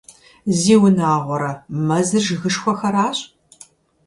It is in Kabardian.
Зиунагъуэрэ, мэзыр жыгышхуэхэращ!